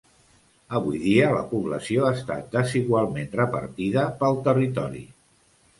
Avui dia la població està desigualment repartida pel territori.